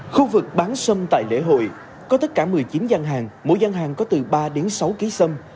khu vực bán sâm tại lễ hội có tất cả một mươi chín gian hàng mỗi gian hàng có từ ba đến sáu ký sâm